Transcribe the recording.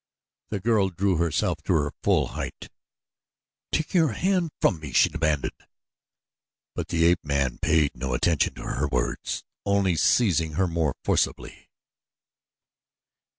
The girl drew herself to her full height. "Take your hand from me," she demanded, but the ape man paid no attention to her words, only seizing her more forcibly.